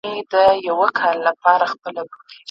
له باڼو تر ګرېوانه د اوښكو كور دئ